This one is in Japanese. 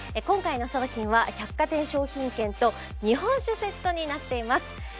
今回の商品は百貨店商品券と日本酒セットになっています。